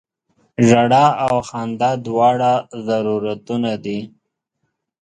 ژړا او خندا دواړه ضرورتونه دي.